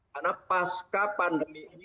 karena pasca pandemi ini